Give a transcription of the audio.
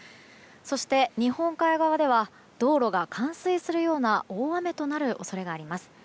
そして、日本海側では道路が冠水するような大雨となる恐れがあります。